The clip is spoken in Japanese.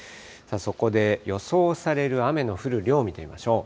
そこで予想される雨の降る量を見てみましょう。